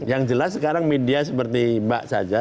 yang jelas sekarang media seperti mbak saja